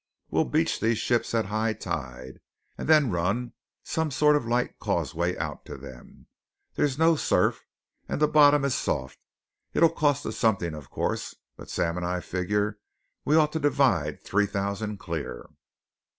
We'll beach these ships at high tide, and then run some sort of light causeway out to them. There's no surf, and the bottom is soft. It'll cost us something, of course; but Sam and I figure we ought to divide three thousand clear."